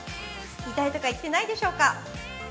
痛いとか言ってないでしょうか？